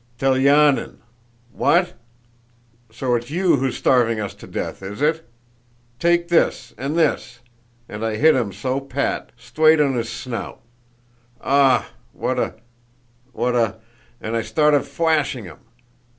"Telyánin! 'What? So it's you who's starving us to death! Is it? Take this and this!' and I hit him so pat, stwaight on his snout... 'Ah, what a... what a...!' and I sta'ted fwashing him...